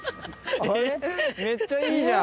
えっめっちゃいいじゃん。